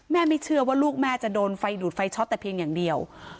ไม่เชื่อว่าลูกแม่จะโดนไฟดูดไฟช็อตแต่เพียงอย่างเดียว